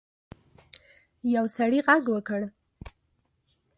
یو سړي غږ وکړ.